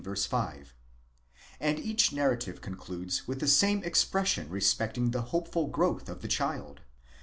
5), and each narrative concludes with the same expression respec ting the hopeful growth of the child.